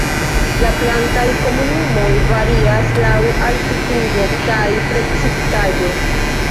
La plantaj komunumoj varias laŭ altitudo kaj precipitaĵo.